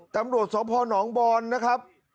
ตำรวจสพนบอนนะครับ